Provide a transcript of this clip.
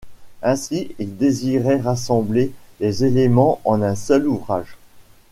Ainsi il désirait rassembler les éléments en un seul ouvrage.